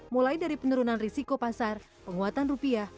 mulai dari penurunan risiko pasar penguatan rupiah